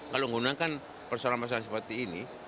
kalau menggunakan persoalan persoalan seperti ini